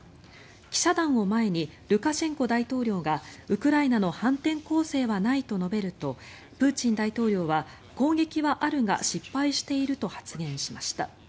記者団を前にルカシェンコ大統領がウクライナの反転攻勢はないと述べるとプーチン大統領は攻撃はあるが失敗していると発言しました。